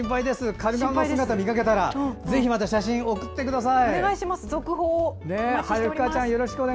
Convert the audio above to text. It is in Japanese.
カルガモの姿見かけたらぜひまた送ってください。